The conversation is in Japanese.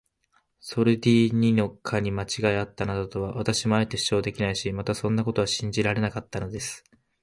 ソルディーニの課にまちがいがあったなどとは、私もあえて主張できないし、またそんなことは信じられなかったのです。